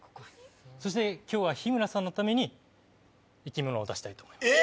そして今日は日村さんのために生き物を出したいと思います。